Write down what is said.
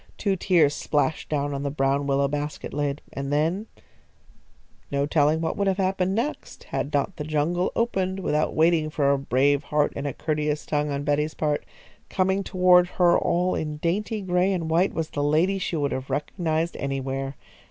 Two tears splashed down on the brown willow basket lid, and then No telling what would have happened next, had not the jungle opened, without waiting for a brave heart and a courteous tongue on Betty's part. Coming toward her all in dainty gray and white was a lady she would have recognised anywhere.